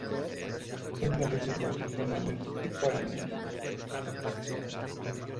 Son plantas herbáceas anuales y perennes.